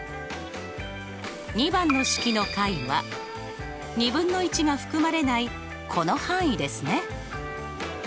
２番の式の解はが含まれないこの範囲ですね。